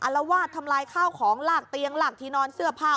ละวาดทำลายข้าวของลากเตียงลากที่นอนเสื้อผ้า